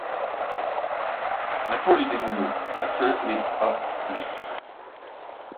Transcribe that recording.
Attends le dénoûment. La fin mettra le sceau.